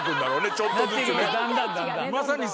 ちょっとずつね。